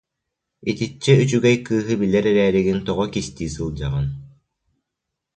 Итиччэ үчүгэй кыыһы билэр эрээригин тоҕо кистии сылдьаҕын